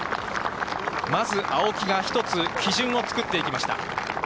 まず青木が一つ、基準を作っていきました。